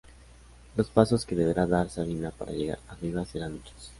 Los pasos que deberá dar Sabina para llegar arriba serán muchos.